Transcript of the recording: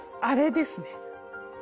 あれですね。